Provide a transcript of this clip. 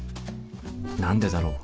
何でだろう？